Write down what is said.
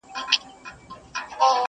لوستونکي پرې فکر کوي ډېر,